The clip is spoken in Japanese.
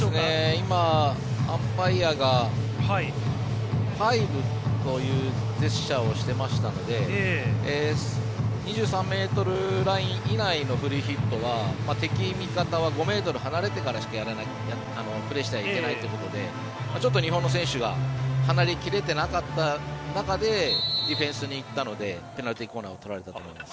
今、アンパイアがファイブというジェスチャーをしてましたので２３ｍライン以内のフリーヒットは敵、味方は５ｍ離れてからしかプレーしてはいけないということでちょっと日本の選手が離れ切れてなかった中でディフェンスに行ったのでペナルティーコーナーを取られたと思います。